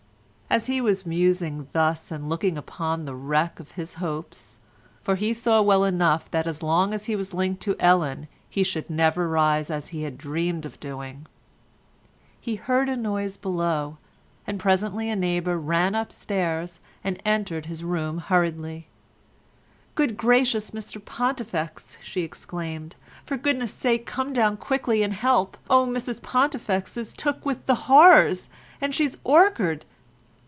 As he was musing thus and looking upon the wreck of his hopes—for he saw well enough that as long as he was linked to Ellen he should never rise as he had dreamed of doing—he heard a noise below, and presently a neighbour ran upstairs and entered his room hurriedly— "Good gracious, Mr Pontifex," she exclaimed, "for goodness' sake come down quickly and help. O Mrs Pontifex is took with the horrors—and she's orkard."